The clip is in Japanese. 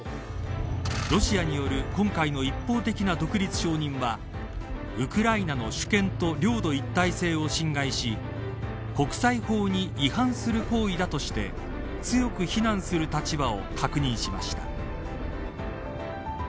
ロシアによる今回の一方的な独立承認はウクライナの主権と領土一体性を侵害し国際法に違反する行為だとして強く非難する立場を確認しました。